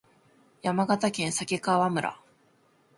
山形県鮭川村